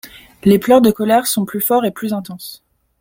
Les pleurs de colère sont plus forts et plus intenses.